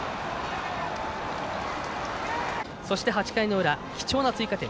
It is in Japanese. そして、８回の裏貴重な追加点。